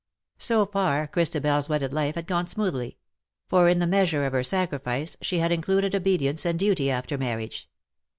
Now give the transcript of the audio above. So far, Christabers wedded life had gone smoothly; for in the measure of her sacrifice she had included obedience and duty after marriage.